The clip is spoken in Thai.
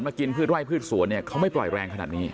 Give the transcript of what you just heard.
กินพืชไร่พืชสวนเนี่ยเขาไม่ปล่อยแรงขนาดนี้